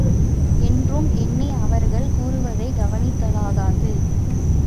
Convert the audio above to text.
என்றும் எண்ணி அவர்கள் கூறுவதைக் கவனித்தலாகாது.